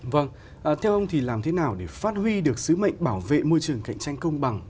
vâng theo ông thì làm thế nào để phát huy được sứ mệnh bảo vệ môi trường cạnh tranh công bằng